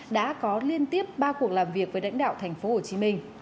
đã có liên tiếp ba cuộc làm việc với lãnh đạo tp hcm